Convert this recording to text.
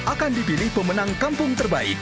akan dipilih pemenang kampung terbaik